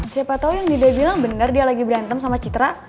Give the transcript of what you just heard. siapa tau yang udah bilang bener dia lagi berantem sama citra